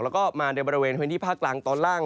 แล้วก็มาในบริเวณพื้นที่ภาคกลางตอนล่าง